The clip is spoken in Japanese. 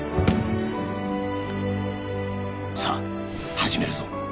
さあ始めるぞ！